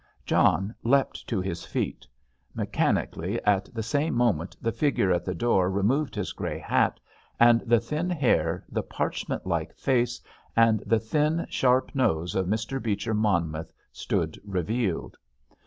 John leapt to his feet. Mechanically, at the same moment the figure at the door removed his grey hat, and the thin hair, the parchment like face, and the thin, sharp nose of Mr. Beecher Monmouth stood revealed.